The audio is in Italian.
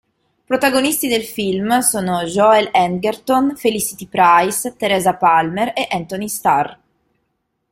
Protagonisti del film sono Joel Edgerton, Felicity Price, Teresa Palmer e Antony Starr.